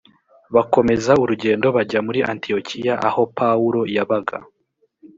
bakomeza urugendo bajya muri antiyokiya aho pawulo yabaga